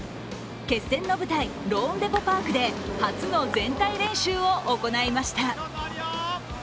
決戦の舞台、ローンデポ・パークで初の全体練習を行いました。